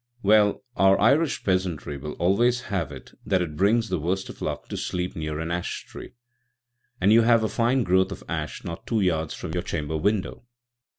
"Well, our Irish peasantry will always have it that it brings the worst of luck to sleep near an ash tree, and you have a fine growth of ash not two yards from your chamber window.